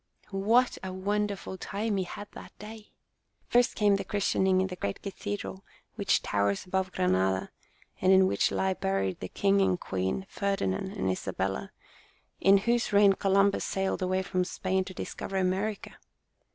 What a wonderful time he had that day ! First came the christening in the great Cathe dral which towers above Granada, and in which lie buried the king and queen, Ferdi nand and Isabella, in whose reign Columbus sailed away from Spain to discover America.